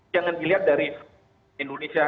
jangan dilihat dari indonesia